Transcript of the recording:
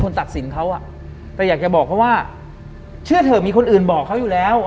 หลังจากนั้นเราไม่ได้คุยกันนะคะเดินเข้าบ้านอืม